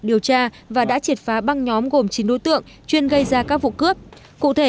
điều tra và đã triệt phá băng nhóm gồm chín đối tượng chuyên gây ra các vụ cướp cụ thể